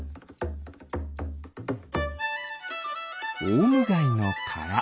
オウムガイのから。